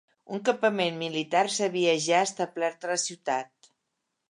Un campament militar s'havia ja establert a la ciutat.